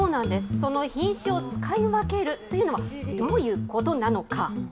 その品種を使い分けるというのはどういうことなのか。